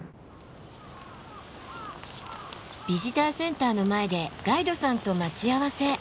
ビジターセンターの前でガイドさんと待ち合わせ。